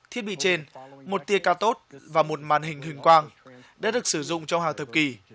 thiết bị trên một tia cathot và một màn hình hình quang đã được sử dụng trong hàng thập kỷ